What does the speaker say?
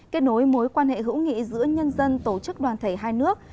kết nối mối quan hệ hữu nghị giữa nhân dân tổ chức đoàn thể hai nước